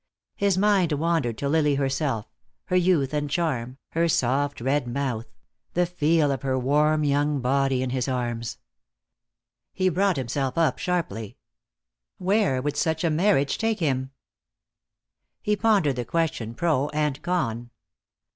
His mind wandered to Lily herself, her youth and charm, her soft red mouth, the feel of her warm young body in his arms. He brought himself up sharply. Where would such a marriage take him? He pondered the question pro and con.